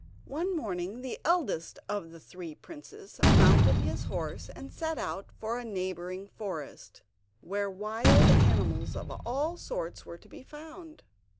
One morning the eldest of the three princes mounted his horse and set out for a neighbouring forest, where wild animals of all sorts were to be found.